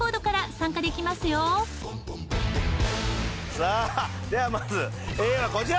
さあではまずＡはこちら！